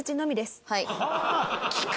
はい。